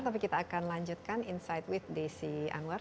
tapi kita akan lanjutkan insight with desi anwar